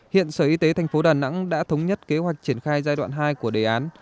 hiện sở y tế thành phố đà nẵng đã thống nhất kế hoạch triển khai giai đoạn hai của đề án